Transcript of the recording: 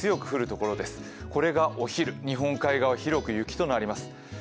これがお昼、日本海側、広く雪となります。